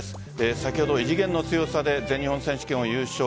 先ほど、異次元の強さで全日本選手権を優勝